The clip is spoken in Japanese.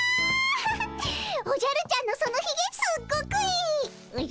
おじゃるちゃんのそのひげすっごくいい！